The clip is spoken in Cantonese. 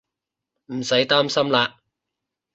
唔使擔心喇